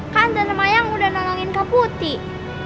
kan tante maya udah nolongin kak putih